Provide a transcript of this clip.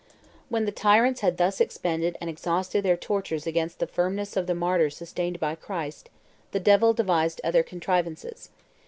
... "When the tyrants had thus expended and exhausted their tortures against the firmness of the martyrs sustained by Christ, the devil devised other contrivances.